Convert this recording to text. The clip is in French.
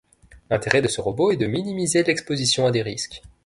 L'intérêt de ce robot est de minimiser l'exposition à des risques.